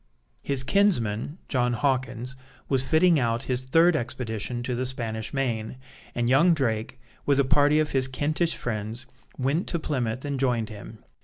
His kinsman, John Hawkins, was fitting out his third expedition to the Spanish Main, and young Drake, with a party of his Kentish friends, went to Plymouth and joined him.